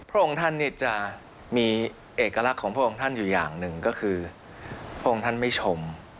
พระองค์ท่านเนี่ยจะมีเอกลักษณ์ของพระองค์ท่านอยู่อย่างหนึ่งก็คือพระองค์ท่านไม่ชม